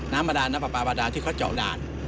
น้ำปลาดานที่เขาเจาะดาด